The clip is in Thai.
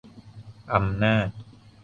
อำนาจ